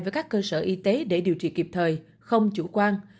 với các cơ sở y tế để điều trị kịp thời không chủ quan